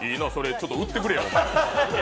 ちょっと売ってくれや。